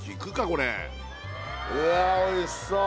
これうわおいしそう！